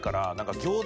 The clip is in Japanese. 餃子。